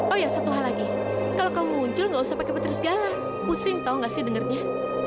oh ya satu hal lagi kalau kamu muncul gak usah pakai petir segala pusing tahu gak sih dengernya